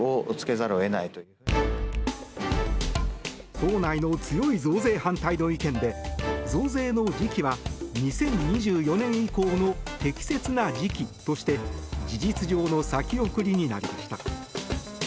党内の強い増税反対の意見で増税の時期は２０２４年以降の適切な時期として事実上の先送りになりました。